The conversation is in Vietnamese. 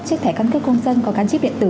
chiếc thẻ căn cấp công dân có cán chip điện tử